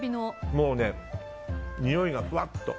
もうね、においがふわっと。